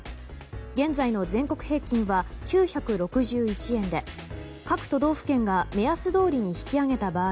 現在の全国平均は９６１円で各都道府県が目安通りに引き上げた場合